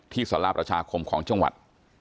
ที่สลาปราชาคมของจังหวัด